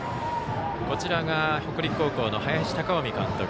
北陸高校の林孝臣監督。